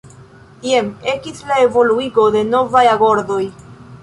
Jen ekis la evoluigo de novaj agordoj.